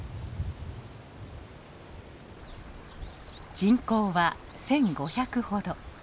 人口は１，５００ほど。